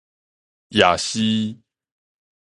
抑是